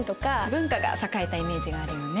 文化が栄えたイメージがあるよね。